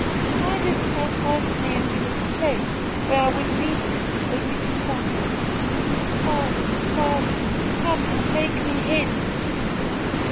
Why didst thou cast me into this place, where I would meet him, only to suffer? Father, father, come and take me hence!"